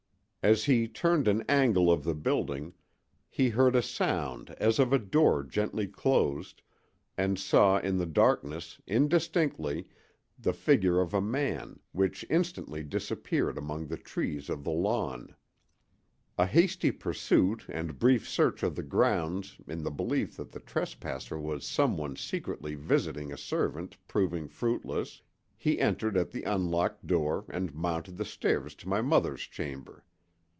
As he turned an angle of the building, he heard a sound as of a door gently closed, and saw in the darkness, indistinctly, the figure of a man, which instantly disappeared among the trees of the lawn. A hasty pursuit and brief search of the grounds in the belief that the trespasser was some one secretly visiting a servant proving fruitless, he entered at the unlocked door and mounted the stairs to my mother's chamber.